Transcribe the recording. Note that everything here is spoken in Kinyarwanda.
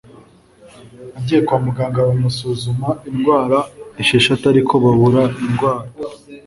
agiye kwa muganga bamusuzuma indwara esheshatu ariko babura indwara